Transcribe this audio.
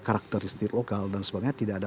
karakteristik lokal dan sebagainya tidak ada